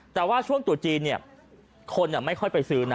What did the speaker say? แต่ว่าช่วงตุจีนคนไม่ค่อยไปซื้อนะ